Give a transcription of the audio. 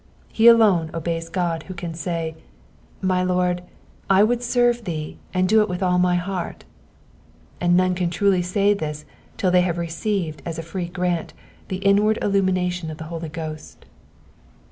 He alone obeys God who can say, My Lord, I would serve thee, and do it with all my heart "; and none can truly say this till they have received as a free grant the inward illununation of the Holy Ghost.